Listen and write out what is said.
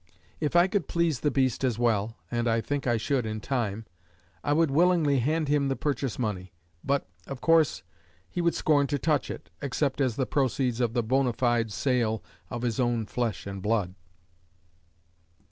If I could please the beast as well and I think I should in time I would willingly hand him the purchase money. But, of course, he would scorn to touch it, except as the proceeds of the bona fide sale of his own flesh and blood."